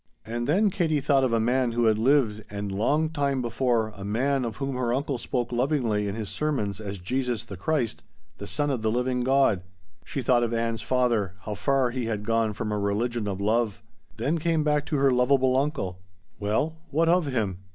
And then Katie thought of a man who had lived & long time before, a man of whom her uncle spoke lovingly in his sermons as Jesus the Christ, the Son of the living God. She thought of Ann's father how far he had gone from a religion of love. Then came back to her lovable uncle. Well, what of him?